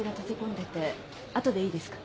後でいいですか？